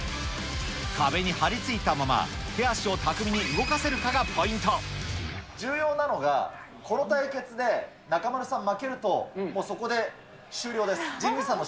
壁に張り付いたまま、手足をたく重要なのが、この対決で中丸さん負けると、もうそこで終了です。